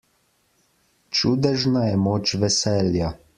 Čudežna je moč veselja.